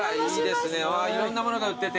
いいですねいろんなものが売ってて。